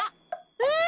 うん！